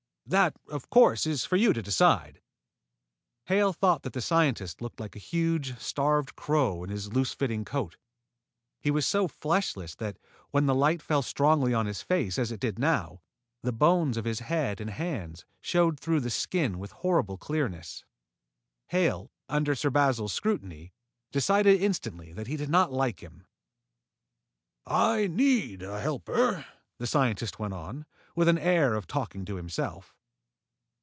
"That, of course, is for you to decide." Hale thought that the scientist looked like a huge, starved crow in his loose fitting coat. He was so fleshless that, when the light fell strongly on his face as it now did, the bones of his head and hands showed through the skin with horrible clearness. Hale, under Sir Basil's scrutiny, decided instantly that he did not like him. "I need a helper," the scientist went on, with the air of talking to himself.